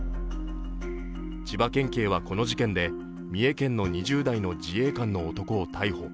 千葉県警はこの事件で三重県の２０代の自衛官の男を逮捕。